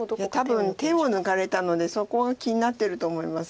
多分手を抜かれたのでそこが気になってると思います。